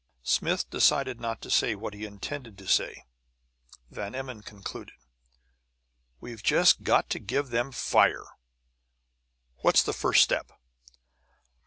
Smith decided not to say what he intended to say. Van Emmon concluded: "We've just got to give 'em fire! What's the first step?"